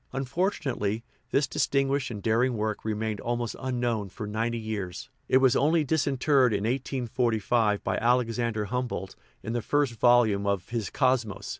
Unfortunately, this distinguished and daring work remained almost unknown for ninety years ; it was only disinterred in 1845 by Alexander Humboldt in the first volume of his Cosmos.